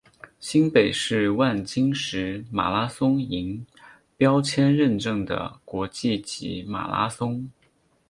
新北市万金石马拉松银标签认证的国际级马拉松。